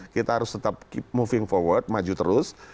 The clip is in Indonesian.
kita harus tetap moving forward maju terus